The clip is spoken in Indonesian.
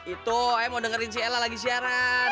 itu ayah mau dengerin si ella lagi siaran